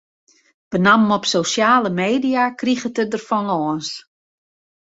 Benammen op sosjale media kriget er der fan lâns.